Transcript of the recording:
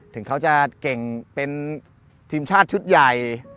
ถึงเขาจะเก่งเป็นทีมชาติชุดใหญ่